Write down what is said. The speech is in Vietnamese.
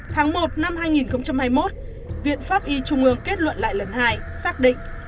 tháng một năm hai nghìn hai mươi một viện pháp y trung ương kết luận lại lần hai xác định